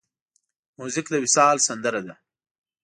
موزیک د وصال سندره ده.